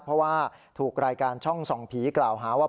เพราะว่าถูกรายการช่องส่องผีกล่าวหาว่า